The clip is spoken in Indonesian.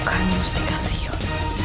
aku harus menunggukan mustikasion